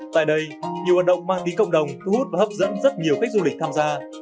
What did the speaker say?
tại đây nhiều hoạt động mang ký cộng đồng thu hút và hấp dẫn rất nhiều khách du lịch tham gia